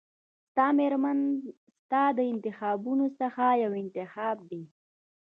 ستا مېرمن ستا د انتخابونو څخه یو انتخاب دی.